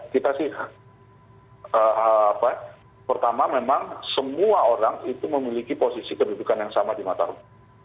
kita sih pertama memang semua orang itu memiliki posisi kedudukan yang sama di mata rumah